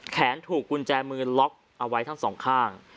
แขนถูกกุญแจมือล็อกเอาไว้ทั้งสองข้าง